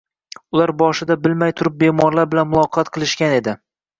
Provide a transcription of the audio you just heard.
Ular boshida bilmay turib bemorlar bilan muloqot qilishgan edi